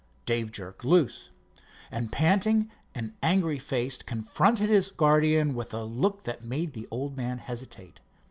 Dave jerked loose, and panting and angry faced confronted his guardian with a look that made the old man hesitate.